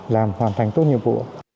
làm hoàn thành tốt nhiệm vụ